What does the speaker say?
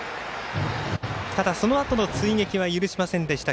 そのあとの追撃は許しませんでした。